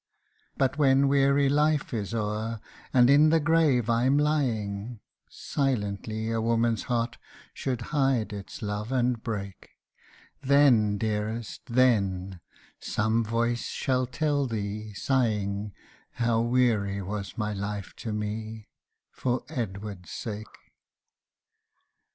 But when weary life is o'er, and in the grave Pm lying, (Silently a woman's heart should hide its love and break ;) Then, deadest, then, some voice shall tell thee, sighing, How weary was my life to me, for Edward's sake.